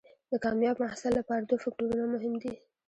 د کامیاب محصل لپاره دوه فکتورونه مهم دي.